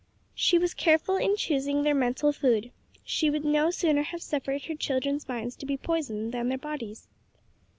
She was careful in choosing their mental food; she would no sooner have suffered her children's minds to be poisoned than their bodies.